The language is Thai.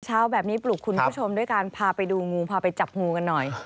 เช้าแบบนี้ปลุกคุณผู้ชมด้วยการพาไปดูงูพาไปจับงูกันหน่อย